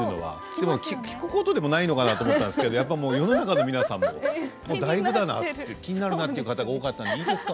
でも聞くほどでもないのかなと思ってたんですけどやっぱもう世の中の皆さんももうだいぶだなという気になるなという方が多かったのでいいですか？